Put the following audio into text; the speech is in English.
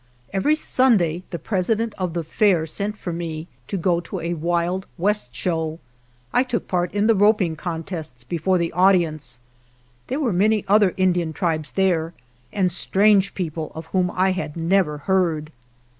Every Sunday the President of the Fair sent for me to go to a wild west show. I took part in the roping contests before the audience. There were many other Indian tribes there, and strange people of whom I had never heard.